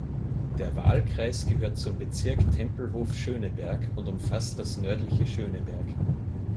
Der Wahlkreis gehört zum Bezirk Tempelhof-Schöneberg und umfasst das nördliche Schöneberg.